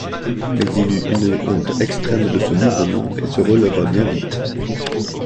Mais il eut une honte extrême de ce mouvement et se releva bien vite.